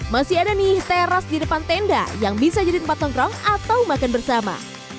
masih ada nih teras di depan tenda yang bisa jadi tempat nongkrong atau makan bersama